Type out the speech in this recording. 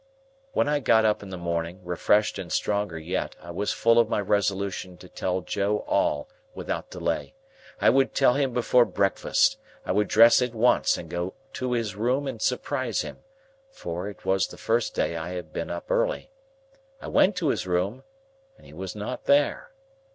When I got up in the morning, refreshed and stronger yet, I was full of my resolution to tell Joe all, without delay. I would tell him before breakfast. I would dress at once and go to his room and surprise him; for, it was the first day I had been up early. I went to his room, and he was not there.